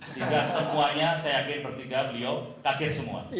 sehingga semuanya saya yakin bertiga beliau kaget semua